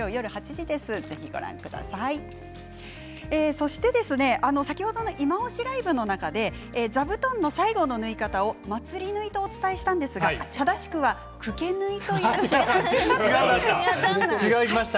そして先ほどの「いまオシ！ＬＩＶＥ」の中で座布団の最後の縫い方をまつり縫いとお伝えしたんですが正しくはくけ縫いと言うらしいんです。